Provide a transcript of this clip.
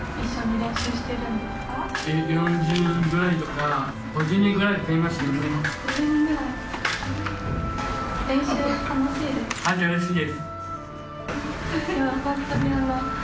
はい楽しいです。